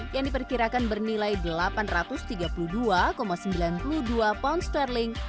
yang diperkirakan bernilai delapan ratus tiga puluh dua sembilan puluh dua pound sterling